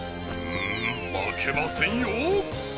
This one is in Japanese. んまけませんよ！